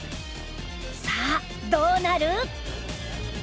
さあどうなる？